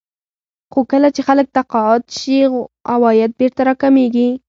خو کله چې خلک تقاعد شي عواید بېرته راکمېږي